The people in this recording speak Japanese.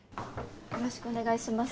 よろしくお願いします。